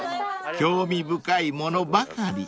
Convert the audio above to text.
［興味深い物ばかり］